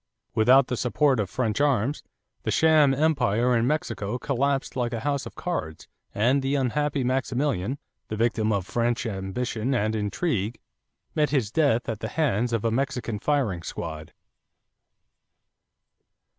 Without the support of French arms, the sham empire in Mexico collapsed like a house of cards and the unhappy Maximilian, the victim of French ambition and intrigue, met his death at the hands of a Mexican firing squad.